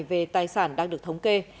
về tài sản đang được thống kê